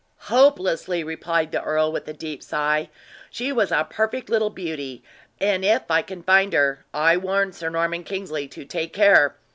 "Hopelessly!" replied the earl, with a deep sigh. "She was a perfect little beauty; and if I can find her, I warn Sir Norman Kingsley to take care!